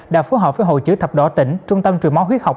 đã phối hợp với hội chữ thập đỏ tỉnh trung tâm truyền máu huyết học